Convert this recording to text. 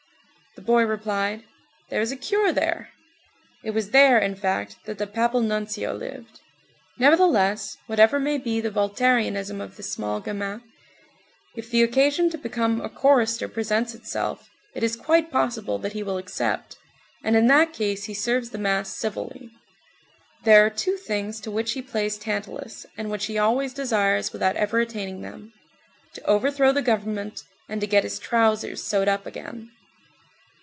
The boy replied: "There is a curé there." It was there, in fact, that the Papal Nuncio lived. Nevertheless, whatever may be the Voltairianism of the small gamin, if the occasion to become a chorister presents itself, it is quite possible that he will accept, and in that case he serves the mass civilly. There are two things to which he plays Tantalus, and which he always desires without ever attaining them: to overthrow the government, and to get his trousers sewed up again.